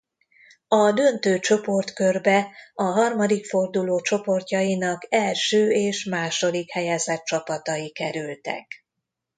A döntő csoportkörbe a harmadik forduló csoportjainak első és második helyezett csapatai kerültek.